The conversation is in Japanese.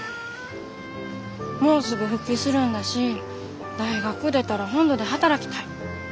もうすぐ復帰するんだし大学出たら本土で働きたい。